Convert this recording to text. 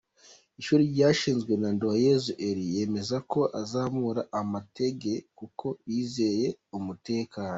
Ishuri ryashinzwe na Nduwayesu Elie yemeza ko azamura amatage kuko yizeye umutekano.